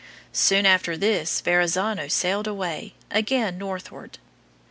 Soon after this Verrazzano sailed away, again northward.